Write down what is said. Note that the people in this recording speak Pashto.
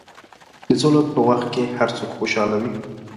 د سولې په وخت کې هر څوک خوشحاله وي.